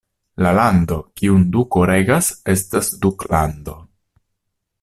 La lando kiun duko regas estas duklando.